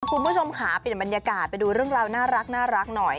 คุณผู้ชมค่ะเปลี่ยนบรรยากาศไปดูเรื่องราวน่ารักหน่อย